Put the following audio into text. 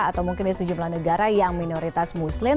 atau mungkin di sejumlah negara yang minoritas muslim